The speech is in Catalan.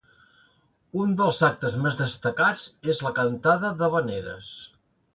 Un dels actes més destacats és la cantada d’havaneres.